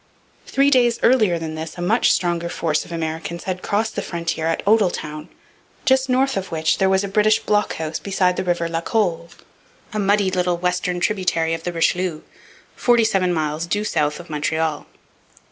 Three days earlier than this a much stronger force of Americans had crossed the frontier at Odelltown, just north of which there was a British blockhouse beside the river La Colle, a muddy little western tributary of the Richelieu, forty seven miles due south of Montreal.